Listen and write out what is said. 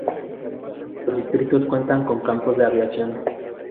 Los distritos cuentan con campos de aviación.